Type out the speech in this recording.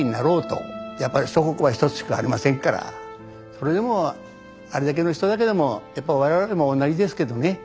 それでもあれだけの人だけどもやっぱ我々でもおんなじですけどね